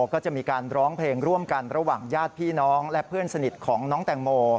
ก็จะมีการร้องเพลงร่วมกันระหว่างญาติพี่น้องและเพื่อนสนิทของน้องแตงโม